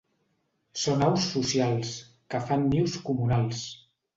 Són aus socials, que fan nius comunals.